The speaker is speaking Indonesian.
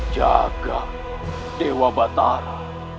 jaga dewa batara